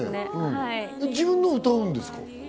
自分のを歌うんですか？